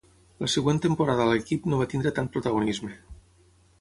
La següent temporada a l'equip no va tenir tant protagonisme.